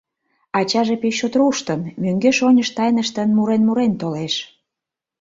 Ачаже пеш чот руштын, мӧҥгеш-оньыш тайныштын, мурен-мурен толеш.